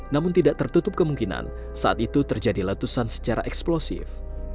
namun tidak tertutup kemungkinan saat itu terjadi letusan secara eksplosif